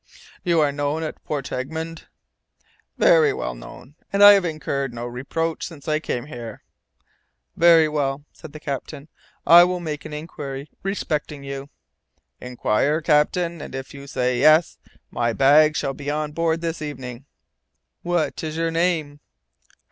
"You are known at Port Egmont?" "Well known, and I have incurred no reproach since I came here." "Very well," said the captain. "I will make inquiry respecting you." "Inquire, captain, and if you say yes, my bag shall be on board this evening." "What is your name?"